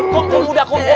kum kum udah kum